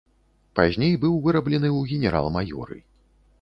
Пазней быў выраблены ў генерал-маёры.